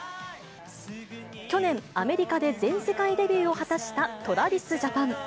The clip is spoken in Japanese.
去年、アメリカで全世界デビューを果たしたＴｒａｖｉｓＪａｐａｎ。